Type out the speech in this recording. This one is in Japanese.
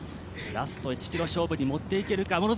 ラスト１ｋｍ勝負にもっていけるか。